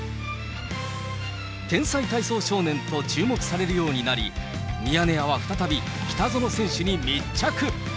天才体操少年と注目されるようになり、ミヤネ屋は再び、北園選手に密着。